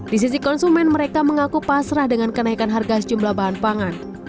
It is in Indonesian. di sisi konsumen mereka mengaku pasrah dengan kenaikan harga sejumlah bahan pangan